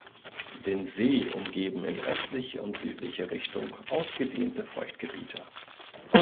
Den See umgeben in östliche und südliche Richtung ausgedehnte Feuchtgebiete.